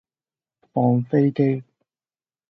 放飛機